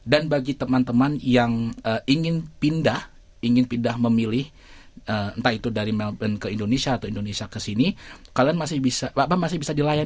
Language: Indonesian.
dan bagi teman teman yang ingin pindah ingin pindah memilih entah itu dari melbourne ke indonesia atau indonesia ke sini kalian masih bisa mbak mbak masih bisa dilayani